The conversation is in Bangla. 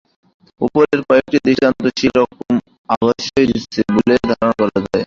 ওপরের কয়েকটি দৃষ্টান্ত সে রকম আভাসই দিচ্ছে বলে ধারণা করা যায়।